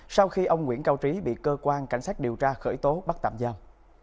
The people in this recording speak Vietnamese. sau khi ông nguyễn cao trí bị cơ quan cảnh sát điều tra khởi tố bắt tạm giam